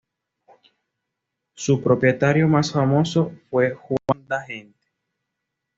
Su propietario más famoso fue Juan de Gante.